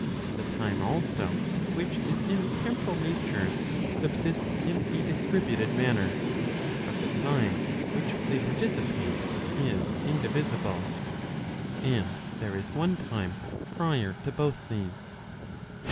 The time also which is in temporal natures subsists in a distributed manner; but the time which they participate is indivisible. And there is one time prior to both these.